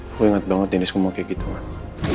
aku ingat banget denise kamu kayak gitu mama